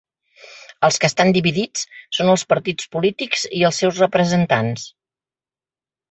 Els que estan dividits són els partits polítics i els seus representants.